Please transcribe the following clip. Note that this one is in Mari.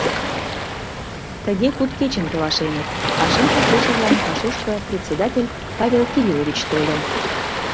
Тыге куд кечым толашеныт, а шымше кечыжлан пасушко председатель Павел Кириллович тольо.